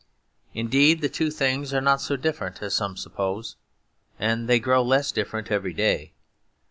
Indeed, the two things are not so different as some suppose, and they grow less different every day.